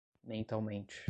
mentalmente